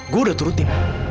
gue udah turutin